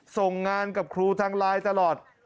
ส่งงานกับครูทางไลน์ตลอด